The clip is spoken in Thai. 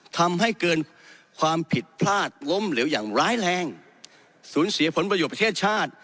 ทำให้เกินความผิดพลาดล้มเหลวอย่างร้ายแรงสูญเสียผลประโยชน์ประเทศชาติ